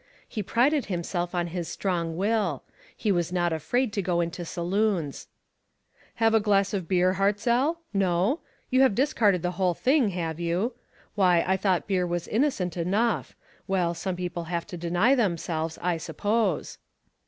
He prided himself on his strong will. He was not afraid to go into saloons. " Have a glass of beer, Hartzell ? No ? You have discarded the whole thing, have you? Why, I thought beer was innocent enough. Well, some people have to deny themselves, I suppose."